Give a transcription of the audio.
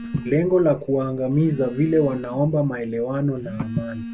lengo la kuwaangamiza vile wanaomba maelewano na amani